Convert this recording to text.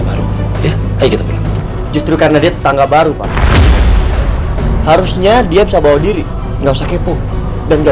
baru ya justru karena dia tetangga baru harusnya dia bisa bawa diri enggak usah kepo dan enggak